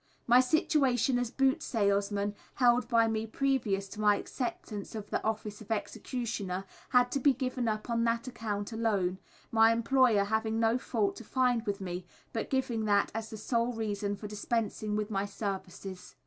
My situation as boot salesman held by me previous to my acceptance of the Office of Executioner, had to be given up on that account alone, my employer having no fault to find with me, but giving that as the sole reason for dispensing with my services.